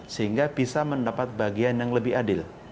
sehingga bisa mendapat bagian yang lebih adil